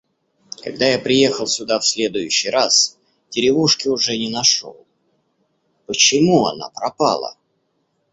Когда я приехал сюда в следующий раз, деревушки уже не нашел. Почему она пропала?